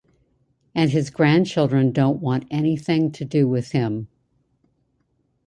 And his grandchildren don't want anything to do with him.